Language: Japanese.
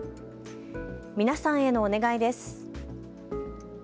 皆さんへのお願いです。